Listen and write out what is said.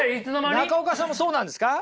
中岡さんもそうなんですか？